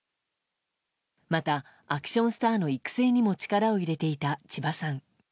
また、アクションスターの育成にも力を入れていた千葉さん。